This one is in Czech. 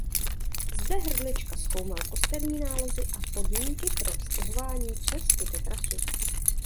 Zde Hrdlička zkoumal kosterní nálezy a podmínky pro stěhování přes tuto trasu.